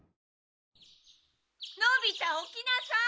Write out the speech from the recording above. のび太起きなさい！